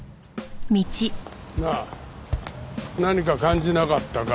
なあ何か感じなかったか？